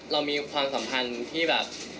เรามีความสัมพันธ์ที่แบบ